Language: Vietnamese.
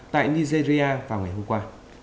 tại nigeria vào ngày hôm qua